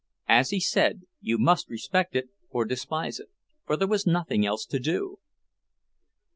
As he said, you must respect it or despise it, for there was nothing else to do.